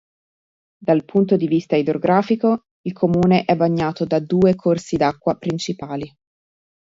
Dal punto di vista idrografico, il comune è bagnato da due corsi d'acqua principali.